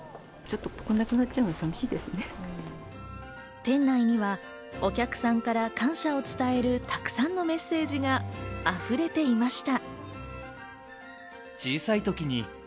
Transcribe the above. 店内にはお客さんから感謝を伝える、たくさんのメッセージが溢れていました。